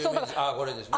これですね。